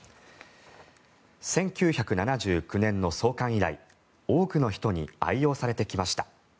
１９７９年の創刊以来多くの人に愛用されてきました。